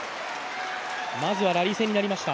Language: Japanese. まずはラリー戦になりました。